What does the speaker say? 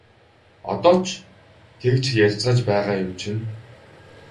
Одоо ч тэгж ярьцгааж байгаа юм чинь!